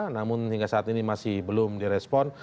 namun hingga saat ini masih belum di respon